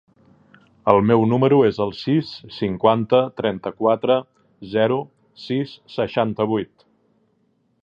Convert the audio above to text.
El meu número es el sis, cinquanta, trenta-quatre, zero, sis, seixanta-vuit.